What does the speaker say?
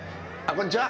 こんにちは。